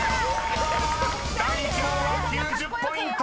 ［第１問は９０ポイント！］